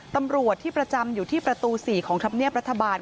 ตำรวจที่ประจำอยู่ที่ประตู๔ของธรรมเนียบรัฐบาล